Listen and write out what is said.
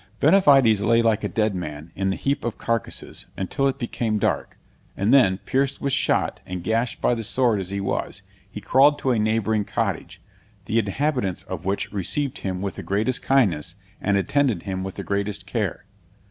Benavides lay like a dead man, in the heap of carcasses, until it became dark; and then, pierced with shot, and gashed by the sword as he was, he crawled to a neighboring cottage, the inhabitants of which received him with the greatest kindness, and attended him with the greatest care.